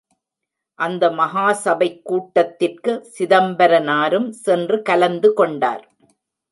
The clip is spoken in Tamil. அந்த மகா சபைக் கூட்டத்திற்கு சிதம்பரனாரும் சென்று கலந்து கொண்டார்.